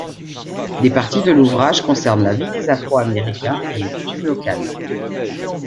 Des parties de l'ouvrage concernent la vie des Afro-Américains et les coutumes locales.